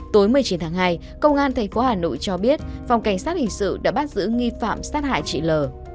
tối một mươi chín tháng hai công an tp hà nội cho biết phòng cảnh sát hình sự đã bắt giữ nghi phạm sát hại chị l